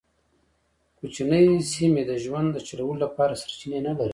کوچنۍ سیمې د ژوند د چلولو لپاره سرچینې نه لرلې.